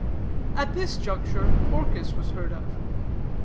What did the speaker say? At this juncture Orchis was heard of.